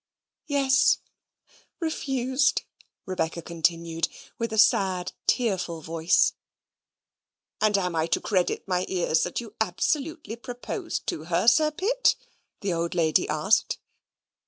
"Yes refused," Rebecca continued, with a sad, tearful voice. "And am I to credit my ears that you absolutely proposed to her, Sir Pitt?" the old lady asked.